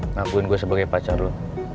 ngakuin gue sebagai pacar dulu